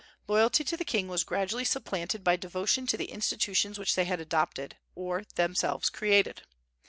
Loyalty to the king was gradually supplanted by devotion to the institutions which they had adopted, or themselves created.